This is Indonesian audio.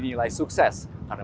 kepala kepala kepala